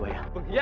baik tunggu dulu